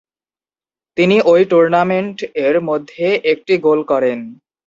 তিনি ওই টুর্নামেন্ট এর মধ্যে একটি গোল করে।